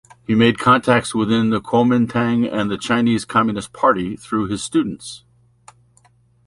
He made contacts within the Kuomintang and the Chinese Communist Party through his students.